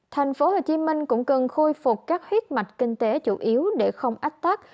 tp hcm cũng cần khôi phục các huyết mạch kinh tế chủ yếu để không ách tắc